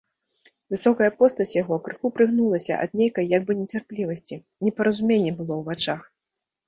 Высокая постаць яго крыху прыгнулася ад нейкай як бы нецярплівасці, непаразуменне было ў вачах.